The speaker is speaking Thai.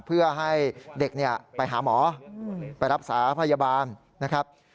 เพื่อให้เด็กไปหาหมอไปรักษาพยาบาลนะครับ